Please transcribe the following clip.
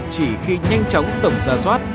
chỉ khi nhanh chóng tổng ra doát